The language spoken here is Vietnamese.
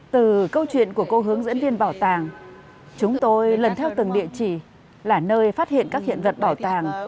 từ câu chuyện của cô hướng dẫn viên bảo tàng chúng tôi lần theo từng địa chỉ là nơi phát hiện các hiện vật bảo tàng